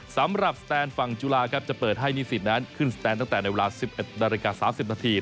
สำหรับสแตนฝั่งจุฬาครับจะเปิดให้นิสิตนั้นขึ้นสแตนตั้งแต่ในเวลา๑๑นาฬิกา๓๐นาที